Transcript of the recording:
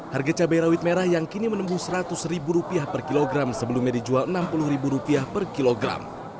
harga cabai rawit merah yang kini menembus seratus ribu rupiah per kilogram sebelumnya dijual enam puluh ribu rupiah per kilogram